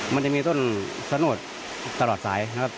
มันจะมีต้นสนวดตลอดสายนะครับ